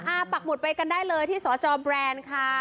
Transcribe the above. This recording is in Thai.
ปักหมุดไปกันได้เลยที่สจแบรนด์ค่ะ